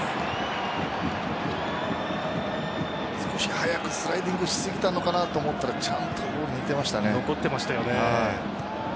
少し早くスライディングしすぎたのかなと思ったらちゃんとボール見ていましたよね。